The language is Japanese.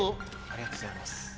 ありがとうございます。